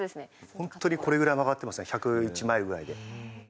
本当にこれぐらい曲がってますね１０１マイルぐらいで。